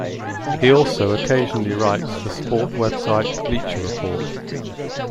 He also occasionally writes for sport website Bleacher Report.